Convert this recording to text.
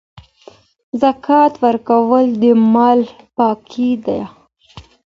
زکات ورکول د مال پاکي ده.